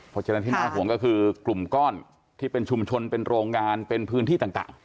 เพราะฉะนั้นที่น่าห่วงก็คือกลุ่มก้อนที่เป็นชุมชนเป็นโรงงานเป็นพื้นที่ต่าง